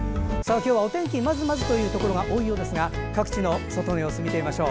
今日は、お天気まずまずのところが多いようですが各地の外の様子、見てみましょう。